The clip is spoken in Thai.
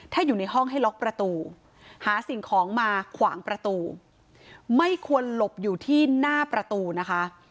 ถ้าอยู่ในห้องให้ล็อกประตูหาสิ่งของมาขวางประตูไม่ควรหลบอยู่ที่หน้าประตูนะคะ